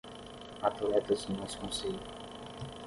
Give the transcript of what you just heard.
Atletas do nosso concelho.